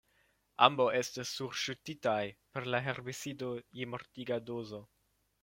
Ambaŭ estis surŝutitaj per la herbicido je mortiga dozo.